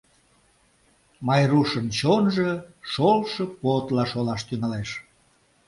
Майрушын чонжо шолшо подла шолаш тӱҥалеш.